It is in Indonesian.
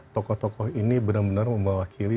tokoh tokoh ini benar benar mewakili